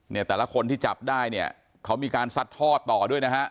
แต่ละคนที่จับได้เนี่ยเขามีการซัดทอดต่อด้วยนะฮะ